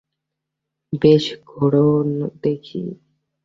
বেশ, ঘোরো দেখি।